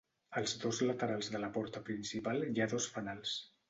Als dos laterals de la porta principal hi ha dos fanals.